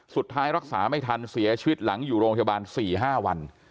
สุดท้ายรักษาไม่ทันเสียชีวิตหลังอยู่โรงพยาบาล๔๕วัน